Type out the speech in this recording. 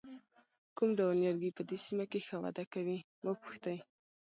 کوم ډول نیالګي په دې سیمه کې ښه وده کوي وپوښتئ.